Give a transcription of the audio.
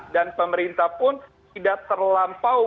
dan pemerintah pun tidak terlampau